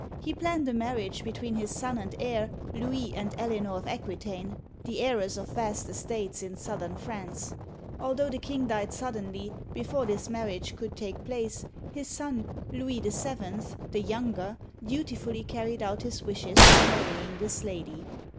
He planned a marriage between his son and heir, Louis, Digitized by Google LOUIS VII. (1137 1180) 117 and El'eanor of Aquitaine (ak wt t5n'), the heiress of vast estates in southern France. Although the king died sud denly before this marriage could take place, his son, Louis VII., "the Younger," dutifully carried out his wishes by marrying this lady.